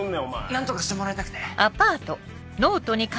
何とかしてもらいたくて。